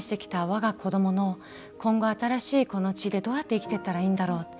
我が子どもの今後新しいこの地でどうやって生きていったらいいんだろう。